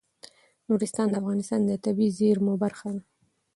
نورستان د افغانستان د طبیعي زیرمو برخه ده.